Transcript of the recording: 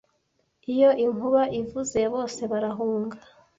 iyo inkuba ivuze bose barahunga